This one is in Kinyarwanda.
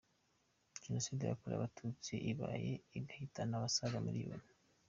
Jenoside yakorewe Abatutsi ibaye igahitana abasaga miliyoni.